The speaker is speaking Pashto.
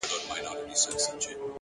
هره لحظه د نوې لارې پیل دی’